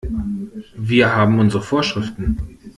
Wir haben unsere Vorschriften.